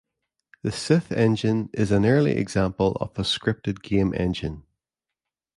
The Sith engine is an early example of a scripted game engine.